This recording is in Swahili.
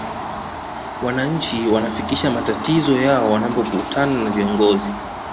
wananchi wanafikisha matatizo yao wanapokutana na viongozi